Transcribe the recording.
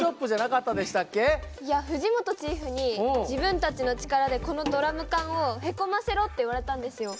いや藤本チーフに「自分たちの力でこのドラム缶をへこませろ」って言われたんですよ。